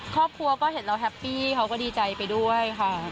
ครอบครัวก็เห็นเราแฮปปี้เขาก็ดีใจไปด้วยค่ะ